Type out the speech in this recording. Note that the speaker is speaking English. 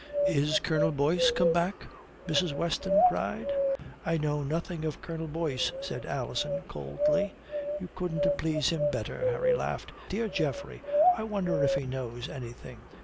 Is Colonel Boyce come back?" Mrs. Weston cried. "I know nothing of Colonel Boyce," said Alison coldly. "You couldn't please him better," Harry laughed. "Dear Geoffrey! I wonder if he knows anything?